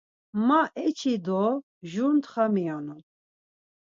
Ma eçi do jur ntxa miyonun.